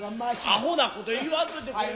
アホなこと言わんといてくれ。